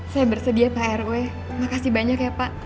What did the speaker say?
saya bersedia pak rw makasih banyak ya pak